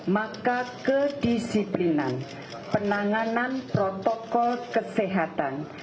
maka kedisiplinan penanganan protokol kesehatan